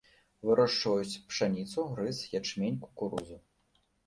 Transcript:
Вырошчваюць пшаніцу, рыс, ячмень, кукурузу.